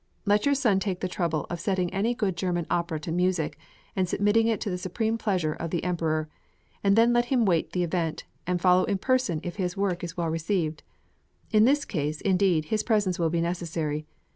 Let your son take the trouble of setting any good German opera to music and submitting it to the supreme pleasure of the Emperor, and then let him wait the event, and follow in person if his work is well received. In this case, indeed, his presence will be necessary.